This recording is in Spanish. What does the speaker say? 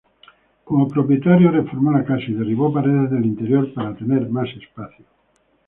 Como propietario, reformó la casa y derribó paredes del interior para tener más espacio.